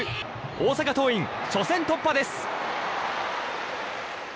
大阪桐蔭、初戦突破です。